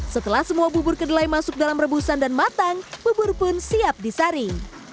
setelah semua bubur kedelai masuk dalam rebusan dan matang bubur pun siap disaring